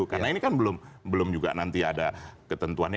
karena ini kan belum juga nanti ada ketentuannya